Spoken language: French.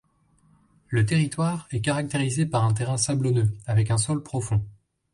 Le territoire est caractérisé par un terrain sablonneux avec un sol profond.